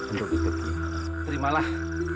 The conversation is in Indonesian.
untuk itu ki terimalah